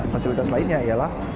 fasilitas lainnya ialah